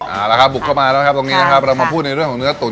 เอาละครับบุกเข้ามาแล้วครับตรงนี้นะครับเรามาพูดในเรื่องของเนื้อตุ๋